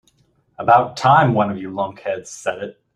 About time one of you lunkheads said it.